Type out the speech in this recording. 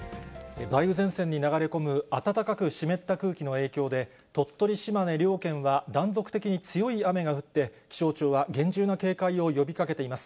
梅雨前線に流れ込む暖かく湿った空気の影響で、鳥取、島根両県は断続的に強い雨が降って、気象庁は厳重な警戒を呼びかけています。